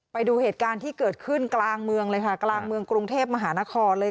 ไปดูเหตุการณ์ที่เกิดขึ้นกลางเมืองเลยค่ะกลางเมืองกรุงเทพมหานครเลย